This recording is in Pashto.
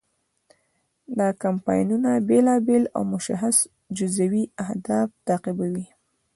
دا کمپاینونه بیلابیل او مشخص جزوي اهداف تعقیبوي.